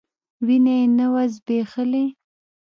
وينه يې نه وه ځبېښلې.